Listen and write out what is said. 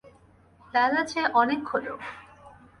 বেলা যে অনেক হল।